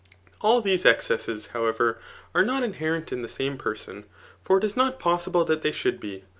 All these excesses^ faow^ ever, are not inherent in the same person ; for it is not {lossible that they should be.